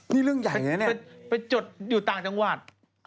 นี่เรื่องใหญ่อย่างนี้แหละไปจดอยู่ต่างจังหวัด